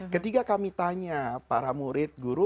ketika kami tanya para murid guru